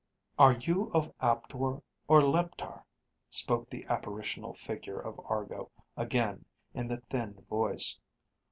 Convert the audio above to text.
_ _"Are you of Aptor or Leptar?" spoke the apparitional figure of Argo again in the thinned voice.